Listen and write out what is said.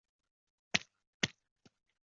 长萼连蕊茶是山茶科山茶属的植物。